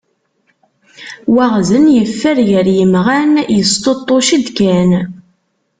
Waɣzen yeffer gar yemɣan yesṭuṭṭuc-d kan.